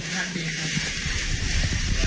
มีโดยมี